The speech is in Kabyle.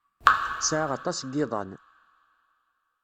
Tesɛa aṭas n yiḍan.